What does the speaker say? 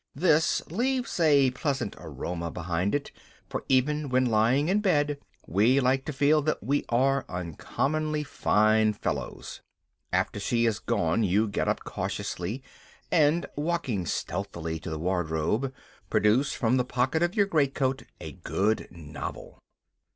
This leaves a pleasant aroma behind it, for even when lying in bed, we like to feel that we are uncommonly fine fellows. After she has gone you get up cautiously, and, walking stealthily to the wardrobe, produce from the pocket of your great coat a good novel.